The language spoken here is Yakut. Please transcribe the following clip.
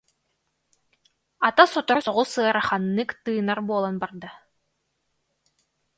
Ата сотору соҕус ыараханнык тыынар буолан барда